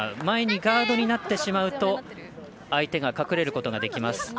前にガードになってしまうと相手が隠れることができます。